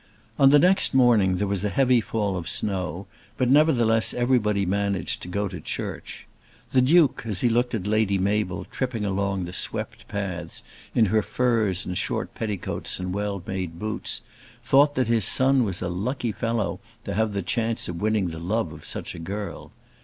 On the next morning there was a heavy fall of snow, but nevertheless everybody managed to go to church. The Duke, as he looked at Lady Mabel tripping along over the swept paths in her furs and short petticoats and well made boots, thought that his son was a lucky fellow to have the chance of winning the love of such a girl.